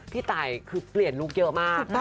พี่ตายเปลี่ยนลูกเยอะมาก